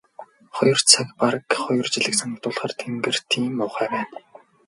Хоёр цаг бараг хоёр жилийг санагдуулахаар тэнгэр тийм муухай байна.